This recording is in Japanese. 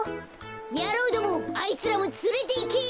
やろうどもあいつらもつれていけ！